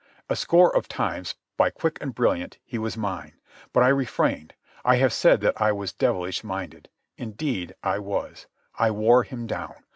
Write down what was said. A score of times, by quick and brilliant, he was mine. But I refrained. I have said that I was devilish minded. Indeed I was. I wore him down.